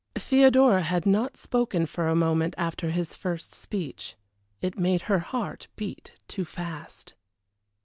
Theodora had not spoken for a moment after his first speech. It made her heart beat too fast.